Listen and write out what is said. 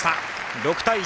６対１。